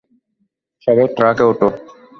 সবাই ট্রাকে ওঠো!